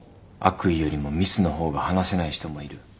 悪意よりもミスの方が話せない人もいる。